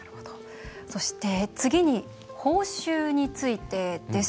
そして次に報酬についてです。